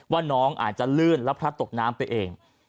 ว่าน้องอาจจะลื่นและพลัดตกน้ำไปเอง